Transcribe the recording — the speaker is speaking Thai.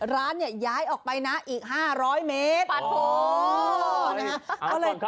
ร้านเนี่ยย้ายออกไปนะอีก๕๐๐เมตร